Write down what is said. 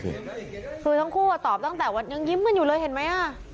คือทั้งคู่ตอบตั้งแต่วันยังยิ้มกันอยู่เลยเห็นไหมอ่ะ